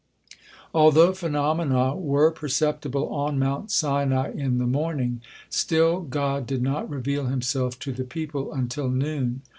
Although phenomena were perceptible on Mount Sinai in the morning, still God did not reveal Himself to the people until noon.